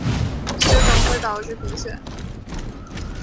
缺铜会导致贫血。